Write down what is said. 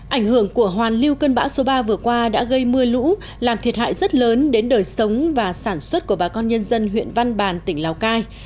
ảnh hưởng của hoàn lưu cơn bão số ba vừa qua đã gây mưa lũ làm thiệt hại rất lớn đến đời sống và sản xuất của bà con nhân dân huyện văn bàn tỉnh lào cai